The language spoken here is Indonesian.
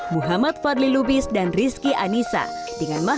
muhammad fadli lubis dan rizky anissa